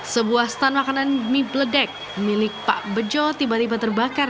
sebuah stand makanan mie bledek milik pak bejo tiba tiba terbakar